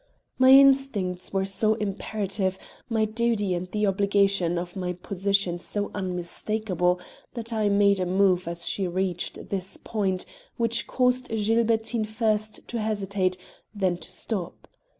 My instincts were so imperative, my duty and the obligations of my position so unmistakable, that I made a move as she reached this point, which caused Gilbertine first to hesitate, then to stop.